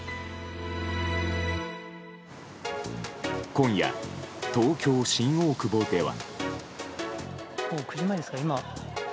今夜、東京・新大久保では。